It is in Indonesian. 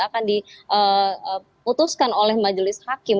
akan diputuskan oleh majelis hakim